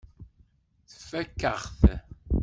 Tfakk-aɣ-t.